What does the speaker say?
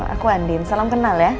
aku andin salam kenal ya